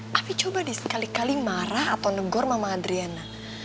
tapi coba deh sekali kali marah atau negor mama adriana